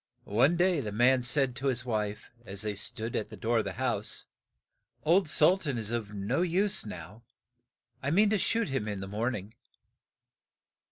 One day the man said to his wife, as they stood at the door of the house, "Old Sul tan is of no use now; I mean to shoot him in the morn ing.